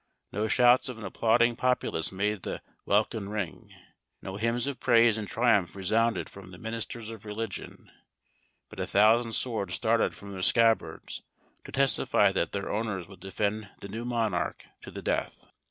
No shouts of an applauding populace made the welkin ring; no hymns of praise and triumph resounded from the ministers of religion; but a thousand swords started from their scabbards to testify that their owners would defend the new monarch to the death.